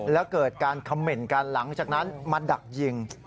แล้วเกิดการคำเหม็นกันหลังจากนั้นมาดักยิง